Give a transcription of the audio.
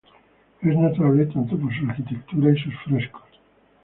Es notable tanto por su arquitectura y sus frescos.